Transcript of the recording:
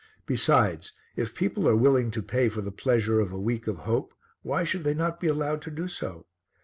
Besides, if people are willing to pay for the pleasure of a week of hope, why should they not be allowed to do so?